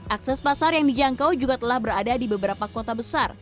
akses pasar yang dijangkau juga telah berada di beberapa kota besar